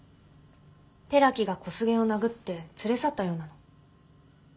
寺木が小菅を殴って連れ去ったようなの。